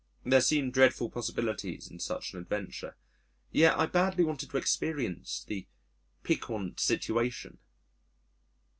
There seemed dreadful possibilities in such an adventure. Yet I badly wanted to experience the piquant situation.